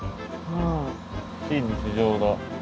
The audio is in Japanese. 非日常だ。